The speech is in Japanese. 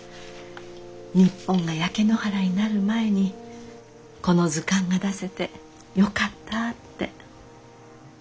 日本が焼け野原になる前にこの図鑑が出せてよかったって。